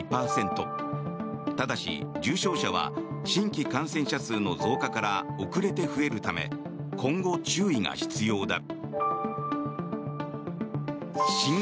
ただし、重症者は新規感染者数の増加から遅れて増えるため今後、注意が必要だ。